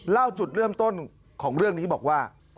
เล่าจุดเริ่มต้นของเรื่องนี้บอกว่า